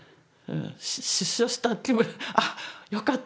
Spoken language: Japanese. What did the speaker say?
出所した気分あよかった。